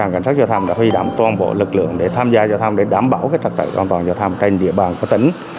cảnh sát giao thông đã huy động toàn bộ lực lượng để tham gia giao thông để đảm bảo trật tự an toàn giao thông trên địa bàn của tỉnh